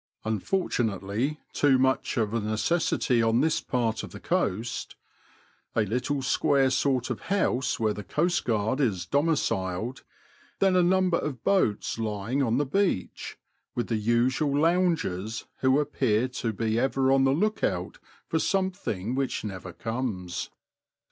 (unfortunately, too much of a necessity on this part of the coast), a little square sort of house where the Coastguard is domiciled ; then a number of boats lying on the beach, with the usual loungers, who appear to be ever on the look out for something which never comes.